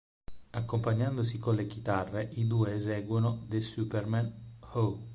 Accompagnandosi con le chitarre i due eseguono "The Supermen", "Oh!